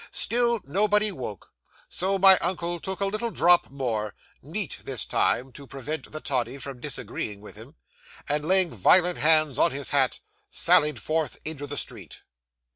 Still nobody woke; so my uncle took a little drop more neat this time, to prevent the toddy from disagreeing with him and, laying violent hands on his hat, sallied forth into the street.